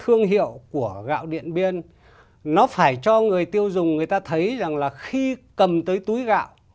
thương hiệu của gạo điện biên nó phải cho người tiêu dùng người ta thấy rằng là khi cầm tới túi gạo